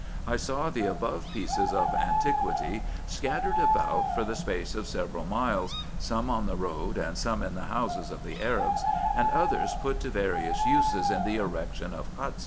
I saw the above 3 d 2 388 RESEARCHES AND OPERATIONS pieces of antiquity scattered about for the space of several miles, some on the road, and some in the houses of the Arabs, and others put to various uses in the erection of huts, &c.